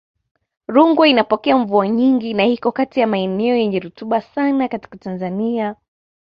Rungwe inapokea mvua nyingi na iko kati ya maeneo yenye rutuba sana katika Tanzania